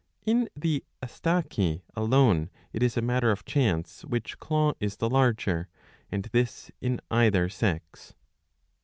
^ In the Astaci alone it is a matter of chance which claw is the larger, and this in either sex.